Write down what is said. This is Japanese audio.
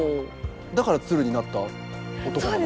だから「鶴になった男」なの？